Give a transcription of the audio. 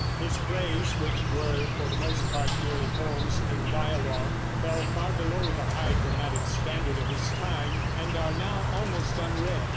His plays, which were for the most part merely poems in dialogue, fell far below the high dramatic standard of his time and are now almost unread.